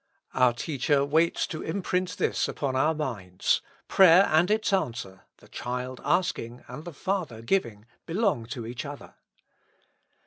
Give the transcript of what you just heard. Our Teacher waits to impirnt this upon our minds : prayer and its answer, the child asking and the father giving, belong to each other.